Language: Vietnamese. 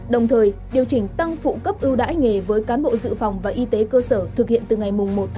đồng thời điều chỉnh tăng phụ cấp ưu đãi nghề với cán bộ dự phòng và y tế cơ sở thực hiện từ ngày một một hai nghìn hai mươi ba